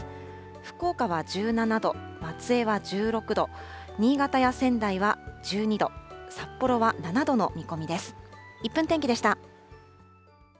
福岡は１７度、松江は１６度、新潟や仙台は１２度、札幌は７度の見込みです。